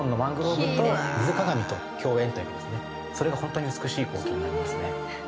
それがホントに美しい光景になりますね。